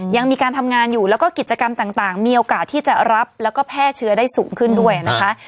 ยังมีการทำงานอยู่แล้วก็กิจกรรมต่างมีโอกาสที่จะรับแล้วก็แพร่เชื้อได้สูงขึ้นด้วยนะคะ